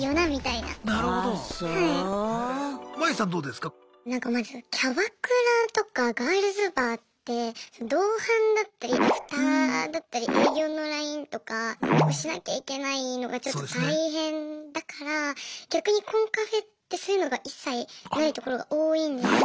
なんかまずキャバクラとかガールズバーって同伴だったりアフターだったり営業のＬＩＮＥとかをしなきゃいけないのがちょっと大変だから逆にコンカフェってそういうのが一切ないところが多いんですよ。